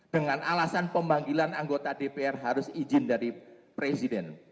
dengan alasan pemanggilan anggota dpr harus izin dari presiden